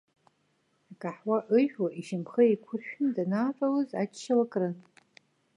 Акаҳуа ыжәуа, ишьамхы еиқәыршәны данаатәалоз ачча уакрын.